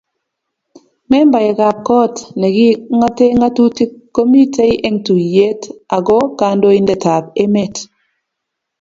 Membaekab koot neking'otee ng'atutiik komitei eng tuiyet ako kandoindetab emet.